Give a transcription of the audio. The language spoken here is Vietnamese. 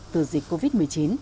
từ dịch covid một mươi chín